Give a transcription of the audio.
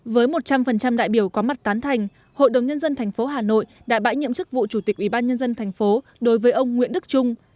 với một trăm linh đại biểu có mặt tán thành hội đồng nhân dân tp hà nội đã bãi nhiệm chức vụ chủ tịch ủy ban nhân dân tp đối với ông nguyễn đức trung